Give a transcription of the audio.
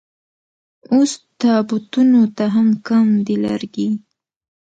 اوس تابوتونو ته هم کم دي لرګي